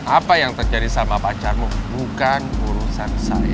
apa yang terjadi sama pacarmu bukan urusan saya